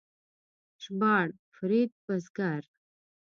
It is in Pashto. ژباړ: فرید بزګر